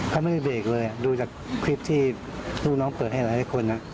เขาไม่ได้เบรกเลยดูจากคลิปที่ลูกน้องเปิดให้หลายคน